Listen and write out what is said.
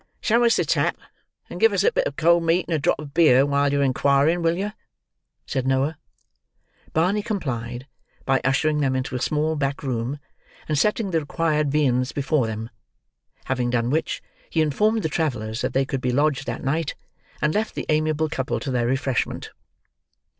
"Show us the tap, and give us a bit of cold meat and a drop of beer while yer inquiring, will yer?" said Noah. Barney complied by ushering them into a small back room, and setting the required viands before them; having done which, he informed the travellers that they could be lodged that night, and left the amiable couple to their refreshment.